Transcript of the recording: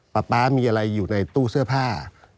ป๊ามีอะไรอยู่ในตู้เสื้อผ้า